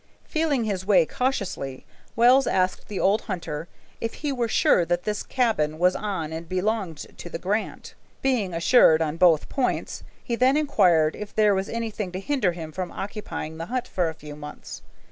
Feeling his way cautiously, Wells asked the old hunter if he were sure that this cabin was on and belonged to the grant. Being assured on both points, he then inquired if there was anything to hinder him from occupying the hut for a few months.